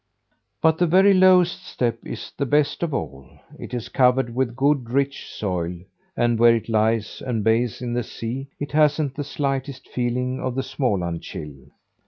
"But the very lowest step is the best of all. It is covered with good rich soil; and, where it lies and bathes in the sea, it hasn't the slightest feeling of the Småland chill.